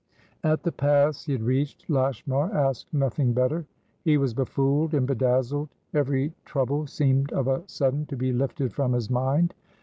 At the pass he had reached, Lashmar asked nothing better. He was befooled and bedazzled. Every trouble seemed of a sudden to be lifted from his mind.